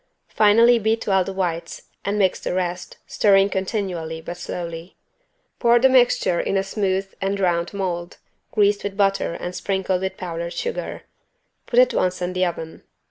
Finally beat well the whites, and mix the rest, stirring continually but slowly. Pour the mixture in a smooth and round mold, greased with butter and sprinkled with powdered sugar. Put at once in the oven.